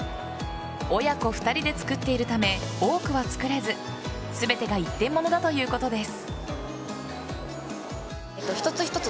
親子２人で作っているため多くは作れず全てが一点物だということです。